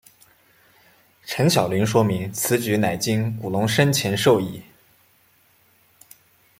陈晓林说明此举乃经古龙生前授意。